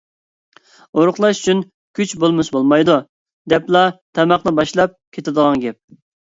ئورۇقلاش ئۈچۈن كۈچ بولمىسا بولمايدۇ، دەپلا تاماقنى باشلاپ كېتىدىغان گەپ.